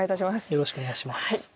よろしくお願いします。